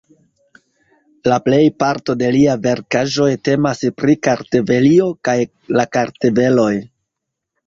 La plejparto de liaj verkaĵoj temas pri Kartvelio kaj la kartveloj.